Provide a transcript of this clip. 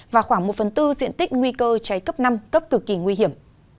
và khoảng một phần tư diện tích nguy cơ cháy cấp năm cấp cực kỳ nguy hiểm